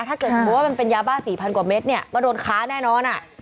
ถ้าเกิดมันเป็นยาบ้า๔๐๐๐กว่าเม็ดมาโดนค้าแน่นอน